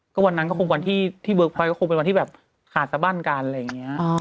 ก็วันนั้นก็คงวันที่เบิร์กพอยก็คงเป็นวันที่แบบขาดสบั้นกันอะไรอย่างนี้